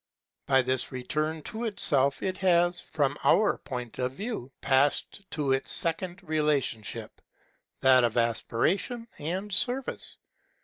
By this return to itself it has, from our point of view, passed to its second relationship, that of aspiration and service.